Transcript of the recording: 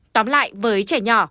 tóm lại với trẻ nhỏ